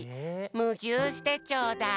ムぎゅーしてちょうだい」。